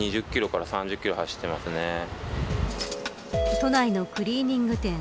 都内のクリーニング店。